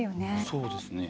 そうですね。